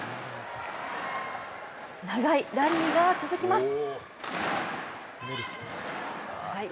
長いラリーが続きます。